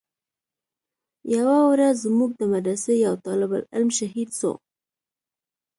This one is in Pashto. يوه ورځ زموږ د مدرسې يو طالب العلم شهيد سو.